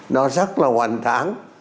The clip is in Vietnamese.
nó rất là hoành tháng